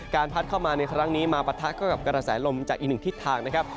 พัดเข้ามาในครั้งนี้มาปะทะเข้ากับกระแสลมจากอีกหนึ่งทิศทางนะครับ